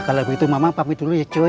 kalau begitu mamang panggil dulu ya cuy